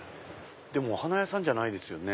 でもお花屋さんじゃないですよね。